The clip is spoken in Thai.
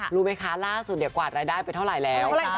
รู้ไหมคะล่าสุดกวาดรายได้ไปเท่าไหร่แล้ว